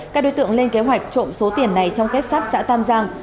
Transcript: các đối tượng lên kế hoạch trộm số tiền này trong kết sắt xã tam giang